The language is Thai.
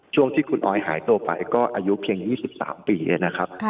ช่วงที่คุณออยหายตัวไปก็อายุเพียง๒๓ปีนะครับ